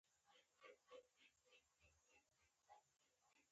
غبار د کابل د کاکه ګانو په باب لیکي.